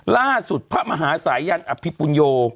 ล่าสุดพระมหาศาลยันทร์อภิปุญโย